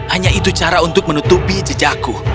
hanya itu cara untuk menutupi jejakku